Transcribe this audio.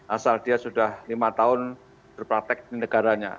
asal dia sudah lima tahun berpraktek di negaranya